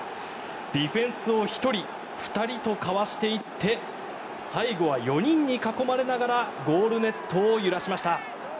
ディフェンスを１人、２人とかわしていって最後は４人に囲まれながらゴールネットを揺らしました。